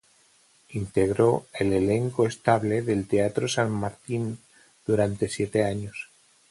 Integró el elenco estable del teatro San Martín durante siete años.